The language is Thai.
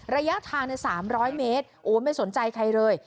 ระยะทางใน๓๐๐เมตรโอ้ไม่สนใจใครเลย